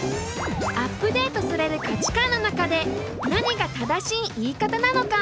アップデートされる価値観の中で何が正しい言い方なのか？